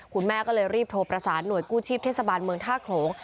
คุณแม่ก็เลยรีบโทรประสานหน่วยกู้ชีพเทศบาลเมืองท่าโขลง